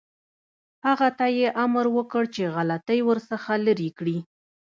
هغه ته یې امر وکړ چې غلطۍ ورڅخه لرې کړي.